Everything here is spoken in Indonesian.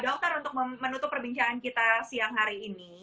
dokter untuk menutup perbincangan kita siang hari ini